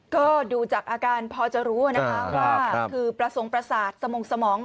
ก็ดูจากอาการพอจะรู้นะคะว่าคือประสงค์ประสาทสมงสมอง